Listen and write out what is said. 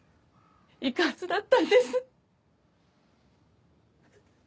行くはずだったんです。